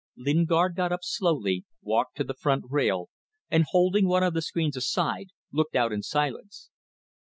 Lingard got up slowly, walked to the front rail, and holding one of the screens aside, looked out in silence.